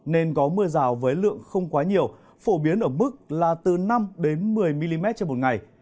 nên có mưa rào với lượng không quá nhiều phổ biến ở mức là từ năm một mươi mm trên một ngày